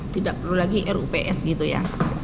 tidak perlu lagi rups gitu ya